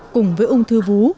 cùng với ung thư vú